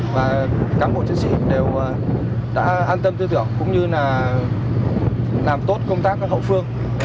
và cán bộ chiến sĩ đều đã an tâm tư tưởng cũng như là làm tốt công tác các hậu phương